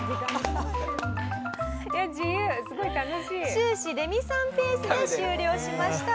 終始レミさんペースで終了しました。